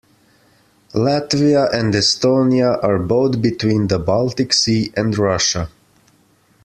Latvia and Estonia are both between the Baltic Sea and Russia.